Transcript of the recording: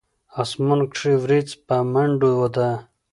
اسمان کښې وريځ پۀ منډو ده